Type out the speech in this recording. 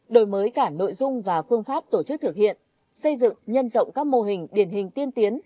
đổi mới cả nội dung và phương pháp tổ chức thực hiện xây dựng nhân rộng các mô hình điển hình tiên tiến